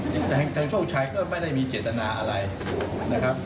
มันอาจจะขัดขาดตรงนั้นแค่นั้นนะครับ